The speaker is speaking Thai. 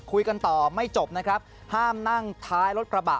คุยกันต่อไม่จบนะครับห้ามนั่งท้ายรถกระบะ